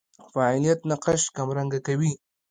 فاعلیت نقش کمرنګه کوي.